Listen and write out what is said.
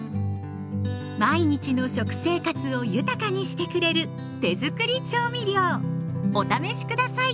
毎日の食生活を豊かにしてくれる手づくり調味料お試し下さい！